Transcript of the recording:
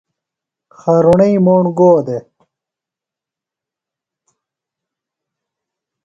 خارُݨئی موݨ گو دےۡ ؟